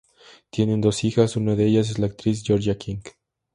Tienen dos hijas, una de ellas es la actriz Georgia King.